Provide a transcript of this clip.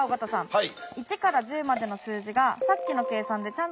はい。